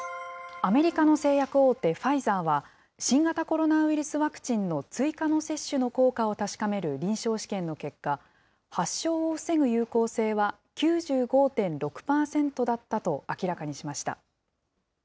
アメリカの製薬大手、ファイザーは、新型コロナウイルスワクチンの追加の接種の効果を確かめる臨床試験の結果、発症を防ぐ有効性は９５．６％だったと明らかにしました。